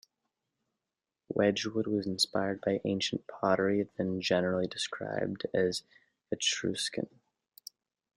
Wedgwood was inspired by ancient pottery then generally described as Etruscan.